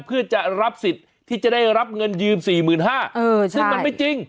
เพื่อจะรับสิทธิ์ที่จะได้รับเงินยืม๔๕๐๐บาทซึ่งมันไม่จริง